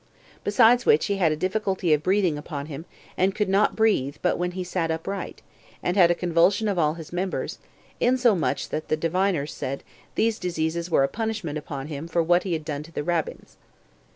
Besides which he had a difficulty of breathing upon him, and could not breathe but when he sat upright, and had a convulsion of all his members, insomuch that the diviners said those diseases were a punishment upon him for what he had done to the Rabbins.